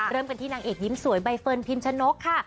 เริ่มกันที่นางเอกยิ้มสวยใบเฟิร์นพิมชะนกค่ะ